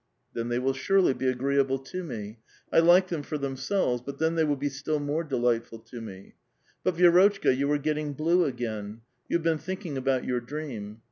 ^ Then they will surely be agreeable to me. I like them ^^^ themselves, but then they will be still more delightful to ^^' But, Vi^rotchka, you are gettinir blue again ; you have "^^^ thinking about your dream.